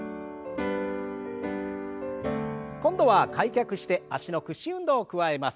今度は開脚して脚の屈伸運動を加えます。